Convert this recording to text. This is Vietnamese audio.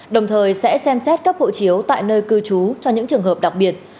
đồng thời sẽ xem xét cấp hộ chiếu tại nơi cư trú cho những trường hợp đặc biệt